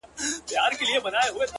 زما مور، دنيا هېره ده،